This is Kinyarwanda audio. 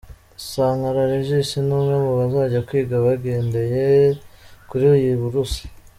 Sankara Regis ni umwe mu bazajya kwiga bagendeye kuri iyi buruse.